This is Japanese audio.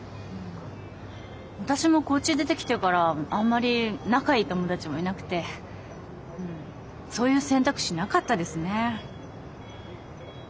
私もこっち出てきてからあんまり仲いい友達もいなくてうんそういう選択肢なかったですね。